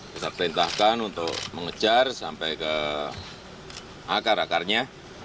kita perintahkan untuk mengejar sampai ke akar akarnya